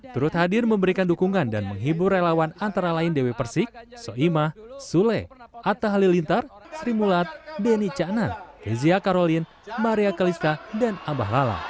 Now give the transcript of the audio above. terut hadir memberikan dukungan dan menghibur relawan antara lain dewi persik soeimah sule atta halilintar sri mulat beni canan kezia karolin maria keliska dan abah lala